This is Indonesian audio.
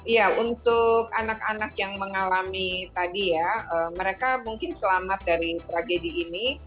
iya untuk anak anak yang mengalami tadi ya mereka mungkin selamat dari tragedi ini